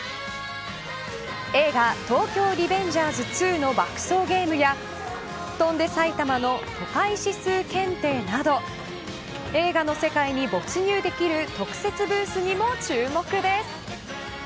映画東京リベンジャーズ２の爆走ゲームや飛んで埼玉の、都会指数検定など映画の世界に没入できる特設ブースにも注目です。